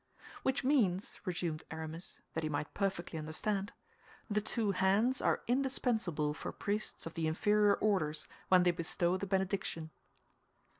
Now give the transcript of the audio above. "Which means," resumed Aramis, that he might perfectly understand, "'The two hands are indispensable for priests of the inferior orders, when they bestow the benediction.